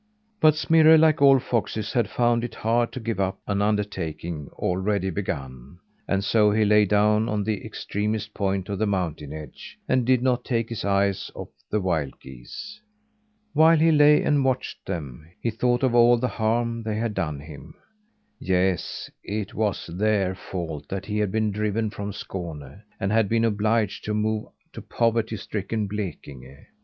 But Smirre, like all foxes, had found it hard to give up an undertaking already begun, and so he lay down on the extremest point of the mountain edge, and did not take his eyes off the wild geese. While he lay and watched them, he thought of all the harm they had done him. Yes, it was their fault that he had been driven from Skåne, and had been obliged to move to poverty stricken Blekinge.